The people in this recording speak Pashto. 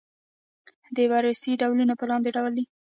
د بررسۍ ډولونه په لاندې ډول دي.